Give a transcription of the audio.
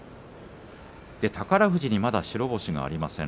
宝富士、まだ白星がありません。